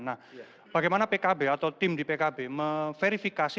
nah bagaimana pkb atau tim di pkb memverifikasi